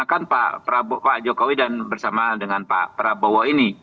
dan kita juga meraksanakan pak jokowi dan bersama dengan pak prabowo ini